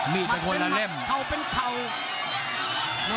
มีดไปคนละเล่ม